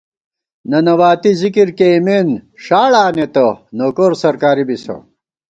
ننواتی ذکر کېئیمېن ݭاڑ آنېتہ نوکور سرکاری بِسہ